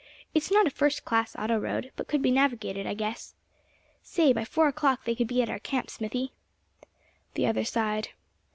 It's not a first class auto road, but could be navigated I guess. Say by four o'clock they could be at our camp, Smithy." The other sighed.